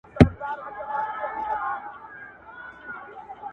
ولي دي يو انسان ته دوه زړونه ور وتراشله.